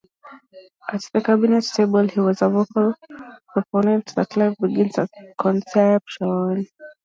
At the Cabinet table, he was a vocal proponent that life begins at conception.